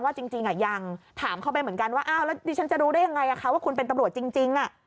ว่าคุณเป็นตำรวจจริง